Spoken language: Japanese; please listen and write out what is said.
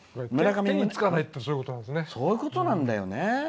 手につかないってそういうことなんですね。